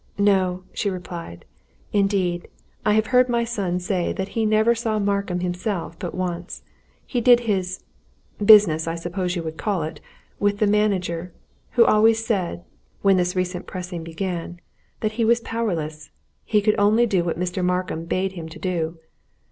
"No!" she replied. "Indeed, I have heard my son say that he never saw Markham himself but once. He did his business, I suppose you would call it with the manager who always said when this recent pressing began that he was powerless he could only do what Mr. Markham bade him do."